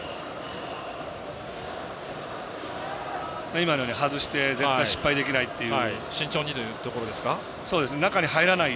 今のように外して絶対失敗できないという。